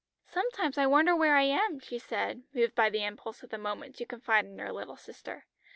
"Sometimes I wonder where I am," she said, moved by the impulse of the moment to confide in her little sister.